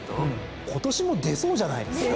今年も出そうじゃないですか？